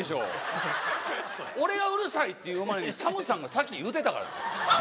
俺がうるさいって言う前にＳＡＭさんが先言うてたからな。